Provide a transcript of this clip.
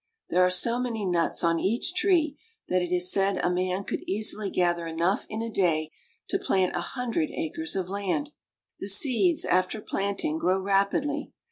There are so many nuts on each tree that it is said a man could easily gather enough in a day to plant a hun dred acres of land. The seeds after planting grow rapidly.